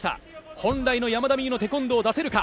本来の山田美諭のテコンドーを出していくか。